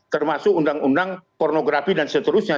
termasuk undang undang pornografi dan seterusnya